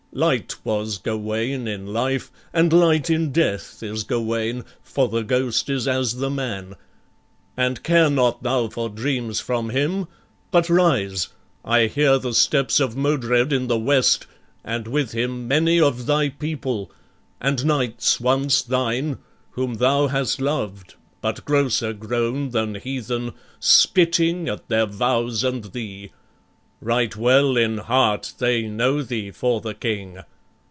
Light was Gawain in life, and light in death Is Gawain, for the ghost is as the man; And care not thou for dreams from him, but rise I hear the steps of Modred in the west, And with him many of thy people, and knights Once thine, whom thou hast loved, but grosser grown Than heathen, spitting at their vows and thee. Right well in heart they know thee for the King.